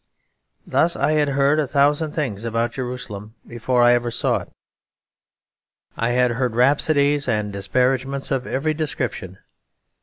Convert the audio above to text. Thus I had heard a thousand things about Jerusalem before I ever saw it; I had heard rhapsodies and disparagements of every description.